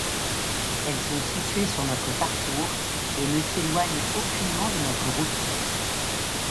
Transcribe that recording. Elles sont situées sur notre parcours, et ne s’éloignent aucunement de notre route.